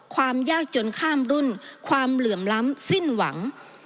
ความยากจนข้ามรุ่นความเหลื่อมล้ำสิ้นหวัง